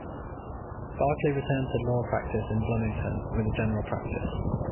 Barkley returned to law practice in Bloomington, with a general practice.